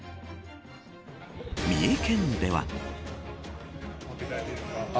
三重県では。